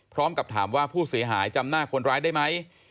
พร้อมกับถามว่าผู้เสียหายจำหน้าคนร้ายได้ไหม